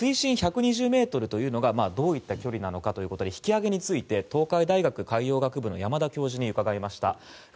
水深１２０ｍがどういった距離なのかについて引き揚げについて東海大学海洋学部の山田教授に伺いました。